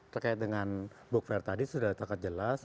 terkait dengan book fair tadi sudah sangat jelas